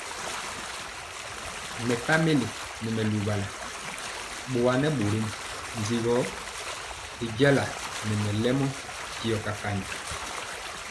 Mɛpamili nɛ mɛ luwala bɔa nɛ bórɔm ndi gɔ y jala nɛ mɛlɛmɔ tiɔ kakanji.